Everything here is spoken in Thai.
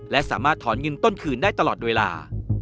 และสามารถถอนเงินต้นคืนได้ตลอดเวลา